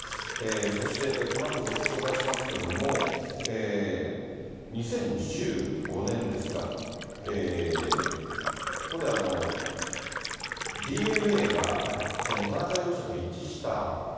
そしてこのあとご紹介しますけども、２０１５年ですか、ここでＤＮＡが、田中容疑者と一致した。